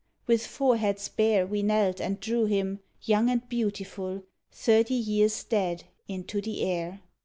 With foreheads bare, We knelt, and drew him, young and beautiful, Thirty years dead, into the air.